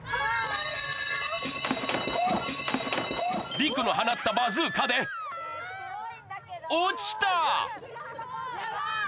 ＲＩＫＵの放ったバズーカで落ちた！